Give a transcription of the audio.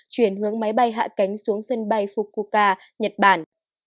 chuyển hướng máy bay hạ cánh xuống sân bay fukuka nhật bản